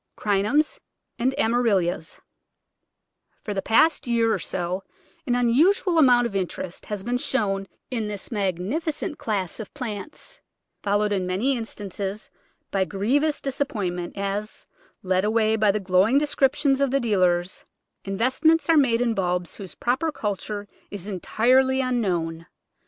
Crinums and Amaryllis FOR the past year or so an unusual amount of in terest has been shown in this magnificent class of plants, followed in many instances by grievous dis appointment, as, led away by the glowing descrip tions of the dealers, investments are made in bulbs whose proper culture is entirely unknown.